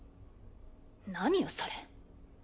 何よそれ。